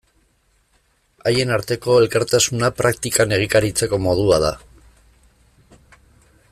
Haien arteko elkartasuna praktikan egikaritzeko modua da.